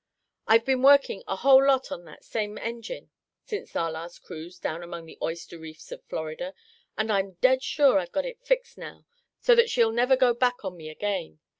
"I've been working a whole lot on that same machine since our last cruise down among the oyster reefs of Florida, and I'm dead sure I've got it fixed now so that she'll never go back on me again.